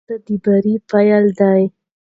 ماتې د بریا پیل دی.